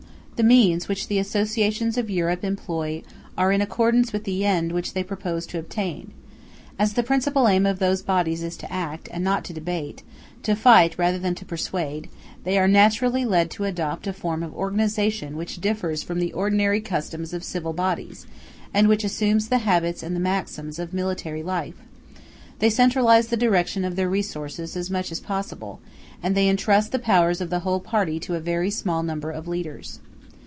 The means which the associations of Europe employ are in accordance with the end which they propose to obtain. As the principal aim of these bodies is to act, and not to debate, to fight rather than to persuade, they are naturally led to adopt a form of organization which differs from the ordinary customs of civil bodies, and which assumes the habits and the maxims of military life. They centralize the direction of their resources as much as possible, and they intrust the power of the whole party to a very small number of leaders.